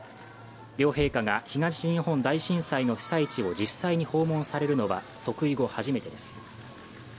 両陛下が、東日本大震災の被災地を実際に訪問されるのは即位後初めてです。